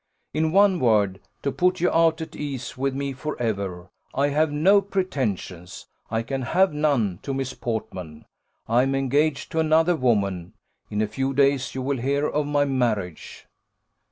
In one word, to put you at ease with me for ever, I have no pretensions, I can have none, to Miss Portman. I am engaged to another woman in a few days you will hear of my marriage."